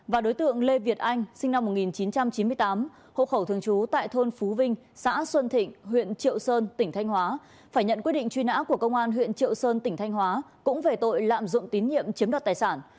và đối tượng lê việt anh sinh năm một nghìn chín trăm chín mươi tám hộ khẩu thường trú tại thôn phú vinh xã xuân thịnh huyện triệu sơn tỉnh thanh hóa phải nhận quyết định truy nã của công an huyện triệu sơn tỉnh thanh hóa cũng về tội lạm dụng tín nhiệm chiếm đoạt tài sản